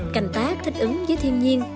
cành tác thích ứng với thiên nhiên